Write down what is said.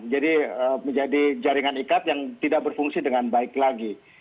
jadi menjadi jaringan ikat yang tidak berfungsi dengan baik lagi